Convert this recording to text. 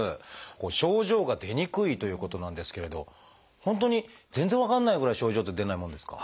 症状が出にくいということなんですけれど本当に全然分かんないぐらい症状って出ないもんですか？